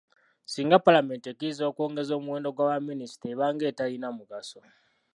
Singa Paalamenti ekkiriza okwongeza omuwendo gwa baminisita eba ng’etalina mugaso.